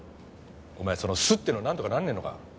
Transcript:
お前その「っす」っていうのはなんとかなんねえのか？